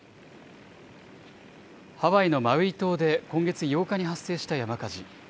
ハワイのマウイ島で今月８日に発生した山火事。